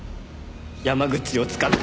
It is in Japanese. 山口を使って。